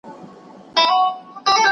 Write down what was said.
زوړ يار، ځين کړی آس دئ.